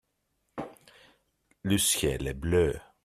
le ciel est bleu.